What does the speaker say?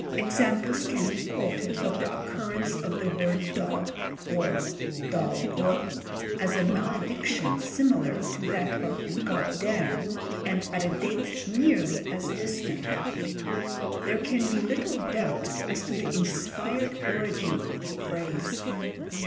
Examples can be quoted of the occurrence of the word dog, or dogue, as a malediction similar to that of "goddam," and at a date nearly as distant. There can be little doubt as to the inspired origin of the phrase.